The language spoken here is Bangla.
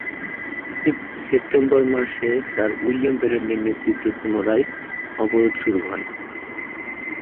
সেপ্টেম্বর মাসে স্যার উইলিয়াম ব্রেরেটনের নেতৃত্বে পুনরায় অবরোধ শুরু হয়।